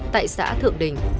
tại xã thượng đình